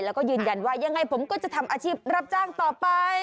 แล้วก็ยืนยันว่ายังไงผมก็จะทำอาชีพรับจ้างต่อไป